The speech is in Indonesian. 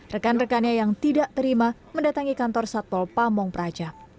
rekan rekannya yang tidak terima mendatangi kantor satpol pamong praja